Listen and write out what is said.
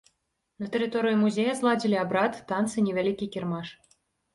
На тэрыторыі музея зладзілі абрад, танцы, невялікі кірмаш.